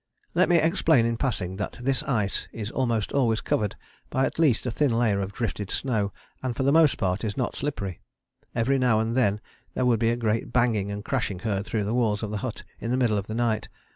Let me explain in passing that this ice is almost always covered by at least a thin layer of drifted snow and for the most part is not slippery. Every now and then there would be a great banging and crashing heard through the walls of the hut in the middle of the night.